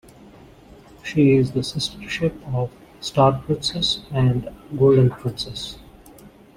She is the sister ship of "Star Princess" and "Golden Princess".